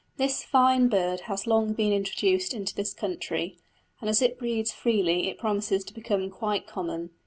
This fine bird has long been introduced into this country, and as it breeds freely it promises to become quite common.